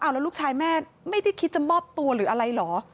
แล้วลูกชายแม่ไม่ได้คิดจะมอบตัวหรืออะไรเหรอ